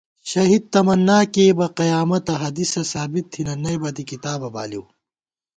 شہید تمنا کېئیبہ قیامَتہ ، حدیثہ ثابت تھنہ نئیبہ دی کِتابہ بالِؤ